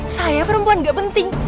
saya perempuan gak penting